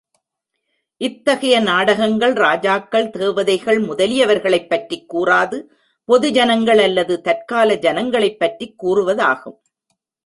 இத்தகைய நாடகங்கள், ராஜாக்கள் தேவதைகள் முதலியவர்களைப்பற்றிக் கூறாது, பொது ஜனங்கள் அல்லது தற்கால ஜனங்களைப் பற்றிக் கூறுவதாகும்.